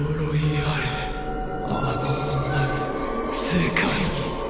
あれあの女に世界に。